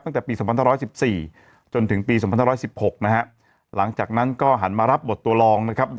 จนถึงปี๒๑๔๔ทางถึงปี๑๖๐๖นะครับหลังจากนั้นก็หันมารับบทเราองนะครับ